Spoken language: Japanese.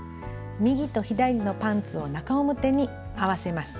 右と左のパンツを中表に合わせます。